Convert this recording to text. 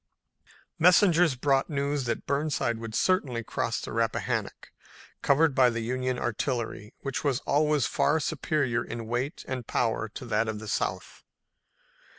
Messengers brought news that Burnside would certainly cross the Rappahannock, covered by the Union artillery, which was always far superior in weight and power to that of the South.